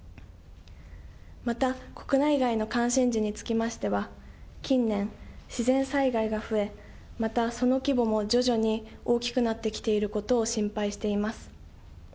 また国内外の関心事につきましては、近年、自然災害が増え、またその規模も徐々に大きくなってきていることを心配しています。